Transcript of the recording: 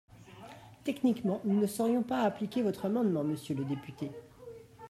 Techniquement, nous ne saurions pas appliquer votre amendement, monsieur le député.